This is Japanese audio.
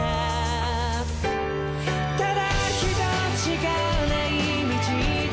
「ただ一つしかない道で」